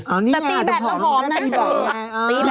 แต่ตีแบตแล้วหอมนะ